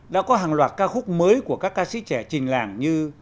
đã có hàng loạt ca khúc mới của các ca sĩ trẻ trình làng như